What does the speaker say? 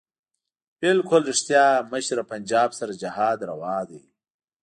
بلکل ريښتيا مشره پنجاب سره جهاد رواح دی